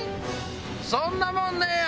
そんなもんねえよ！